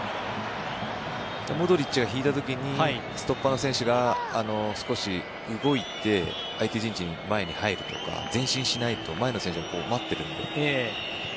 モドリッチが引いた時にストッパーの選手が少し動いて相手陣地、前に入るとか前進しないと前の選手は待っているので。